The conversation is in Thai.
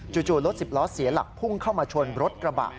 จู่รถสิบล้อเสียหลักพุ่งเข้ามาชนรถกระบะ